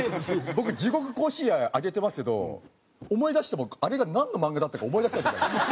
僕『地獄甲子園』挙げてますけど思い出してもあれがなんの漫画だったか思い出せなくなるんです。